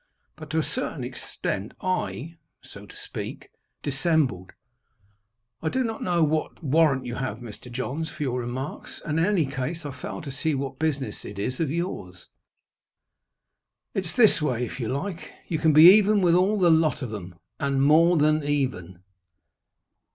But to a certain extent I, so to speak, dissembled. "I do not know what warrant you have, Mr. Johns, for your remarks; and, in any case, I fail to see what business it is of yours." "It's this way; if you like, you can be even with all the lot of them and more than even."